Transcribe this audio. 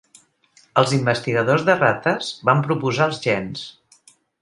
Els investigadors de rates van proposar el gens.